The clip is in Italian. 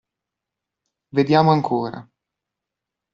Vediamo ancora!